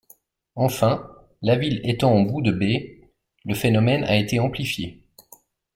Enfin, la ville étant en bout de baie, le phénomène a été amplifié.